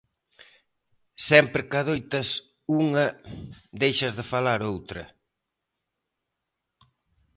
Sempre que adoitas unha deixas de falar outra.